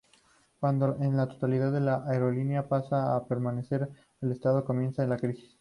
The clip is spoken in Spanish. Cuando la totalidad de la aerolínea pasa a pertenecer al Estado comienza la crisis.